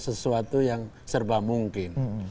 sesuatu yang serba mungkin